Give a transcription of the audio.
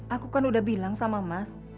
aku kan udah bilang sama mas